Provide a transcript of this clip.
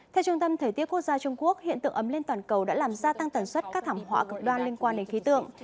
theo trung tâm thời tiết quốc gia trung quốc hiện tượng ấm lên toàn cầu đã làm gia tăng tần suất các thảm họa cực đoan liên quan đến khí tượng